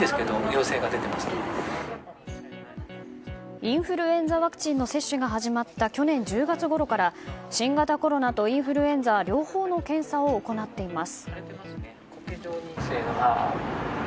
インフルエンザワクチンの接種が始まった去年１０月ごろから新型コロナとインフルエンザ両方の検査を行っています。